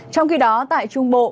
trong khi đó tại trung bộ